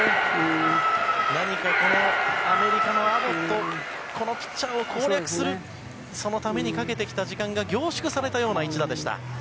何か、アメリカのアボットこのピッチャーを攻略するそのためにかけてきた時間が凝縮されたような１打でした。